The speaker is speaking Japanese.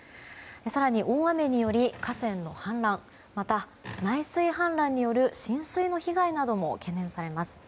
更に、大雨により河川の氾濫また、内水氾濫による浸水の被害なども懸念されます。